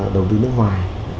đầu tư nước ngoài